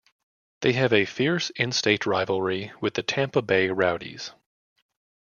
They have a fierce in-state rivalry with the Tampa Bay Rowdies.